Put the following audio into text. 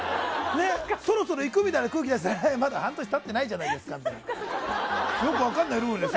そろそろ行く？みたいな空気出してもまだ半年経ってないじゃないってよく分からないルールでさ。